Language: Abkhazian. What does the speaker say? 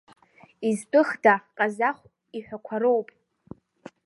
Изтәыхда, Ҟазахә иҳәақәа роуп…